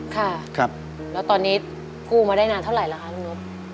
ค่ะแล้วตอนนี้กู้มาได้นานเท่าไหร่ล่ะคะลุงนบ